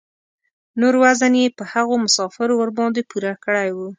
نور وزن یې په هغو مسافرو ورباندې پوره کړی و.